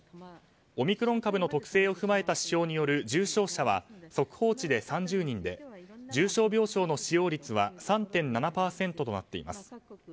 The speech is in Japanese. オミクロン株の特性を踏まえた指標による重症者は速報値で３０人で重症病床の使用率は３．７％となっています。